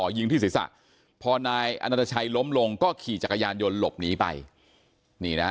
ยิงที่ศีรษะพอนายอนัตชัยล้มลงก็ขี่จักรยานยนต์หลบหนีไปนี่นะฮะ